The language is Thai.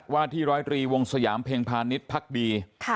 ว่าที่๑๐๓วงสยามเพลงพาณิชย์พักดี